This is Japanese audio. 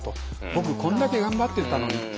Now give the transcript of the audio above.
僕こんだけ頑張ってたのにって。